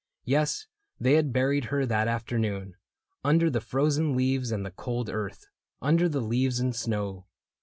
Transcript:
Yes, they had buried her that afternoon. Under the frozen leaves and the cold earth. Under the leaves and snow.